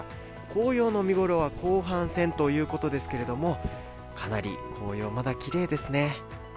紅葉の見頃は後半戦ということですけどもかなり紅葉きれいですね。